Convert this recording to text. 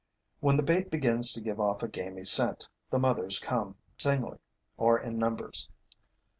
When the bait begins to give off a gamy scent, the mothers come. Singly or in numbers.